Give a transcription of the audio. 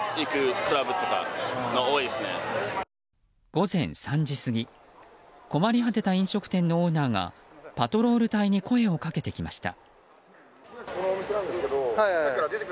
午前３時過ぎ困り果てた飲食店のオーナーがパトロール隊に声をかけてきました。